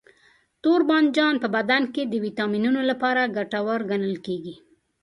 توربانجان په بدن کې د ویټامینونو لپاره ګټور ګڼل کېږي.